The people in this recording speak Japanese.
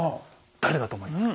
誰だと思いますか？